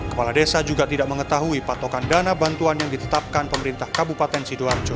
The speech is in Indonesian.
kepala desa juga tidak mengetahui patokan dana bantuan yang ditetapkan pemerintah kabupaten sidoarjo